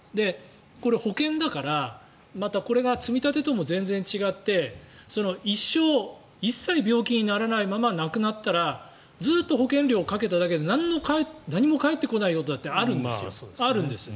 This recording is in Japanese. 保険だから、またこれが積み立てとも全然違って一生、一切病気にならないまま亡くなったらずっと保険料をかけただけで何も返ってこないことだってあるんですよ。